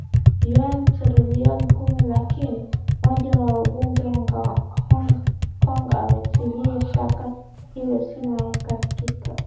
yuan trilioni kumi lakini mmoja wa wabunge Hong Kong ametilia shaka hilo Sina uhakika